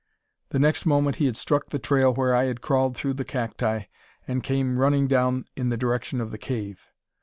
The next moment he had struck the trail where I had crawled through the cacti, and came running down in the direction of the cave.